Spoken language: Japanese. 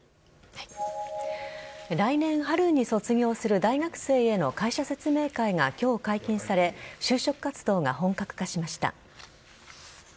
来年春に卒業する大学生への会社説明会が今日解禁され就職活動が本格化しました。